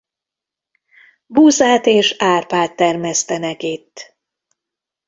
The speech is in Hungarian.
Búzát és árpát termesztenek itt.